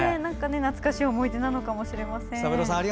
懐かしい思い出なのかもしれないですね。